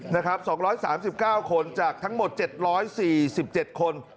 นะครับ๒๓๙คนจากทั้งหมด๗๔๗คน